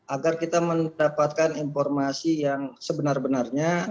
agar kita mendapatkan informasi yang sebenar benarnya